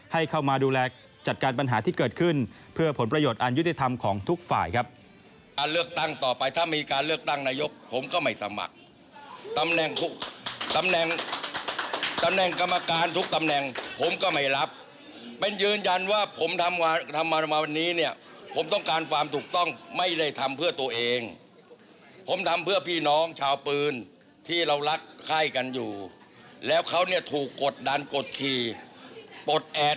ให้เข้ามาดูแลจัดการปัญหาที่เกิดขึ้นเพื่อผลประโยชน์อรรยุทธิธรรมของทุกฝ่ายครับ